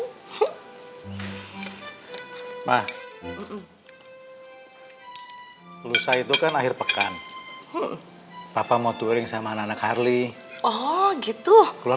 hai mah lu saya itu kan akhir pekan papa motoring sama anak harley oh gitu keluar